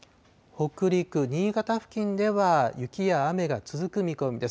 北陸、新潟付近では雪や雨が続く見込みです。